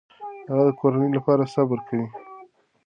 هغه د کورنۍ لپاره صبر کوي.